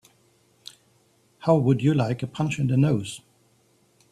How would you like a punch in the nose?